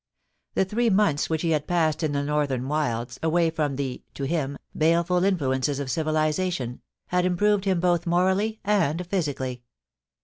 The three months which he had passed in the northern wilds, away from the (to him) baleful influences of civilisation, had improved him both morally and physically.